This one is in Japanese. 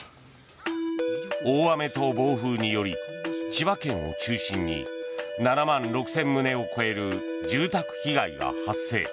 大雨と暴風により千葉県を中心に７万６０００棟を超える住宅被害が発生。